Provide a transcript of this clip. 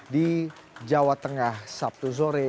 di jawa tengah sabtu sore